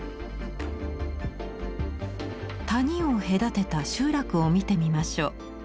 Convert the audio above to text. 谷を隔てた集落を見てみましょう。